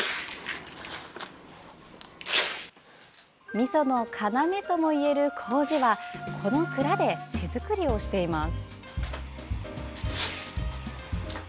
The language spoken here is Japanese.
みその要ともいえるこうじはこの蔵で手作りをしています。